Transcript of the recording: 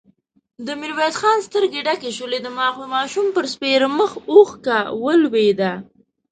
د ميرويس خان سترګې ډکې شوې، د ماشوم پر سپېره مخ اوښکه ولوېده.